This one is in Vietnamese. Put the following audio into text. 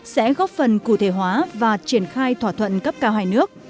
sẽ góp phần cụ thể hóa và triển khai thỏa thuận cấp cao hai nước